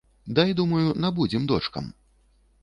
Дай, думаю, набудзем дочкам.